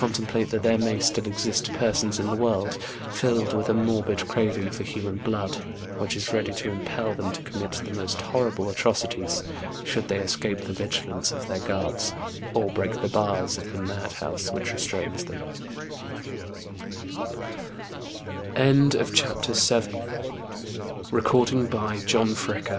99 template that there may still exist persons in the world filled with a morbid craving for human blood, which is ready to impel them to commit the most horrible atroci ties, should they escape the vigilance of their guards, or break the bars of the madhouse which re